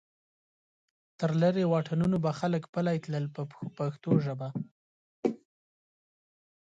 تر لرې واټنونو به خلک پلی تلل په پښتو ژبه.